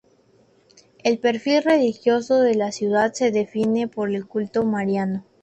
El perfil religioso de la ciudad se define por el culto mariano.